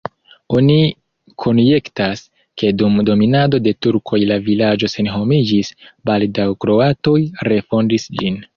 Oni konjektas, ke dum dominado de turkoj la vilaĝo senhomiĝis, baldaŭ kroatoj refondis ĝin.